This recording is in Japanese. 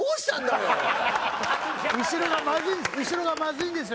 後ろがまずいんです。